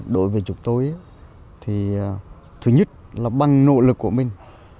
đối với chúng tôi thì thứ nhất là bằng nỗ lực của mình